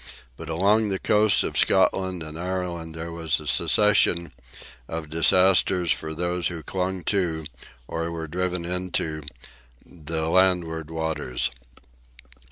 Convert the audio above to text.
But along the coasts of Scotland and Ireland there was a succession of disasters for those who clung to, or were driven into, the landward waters.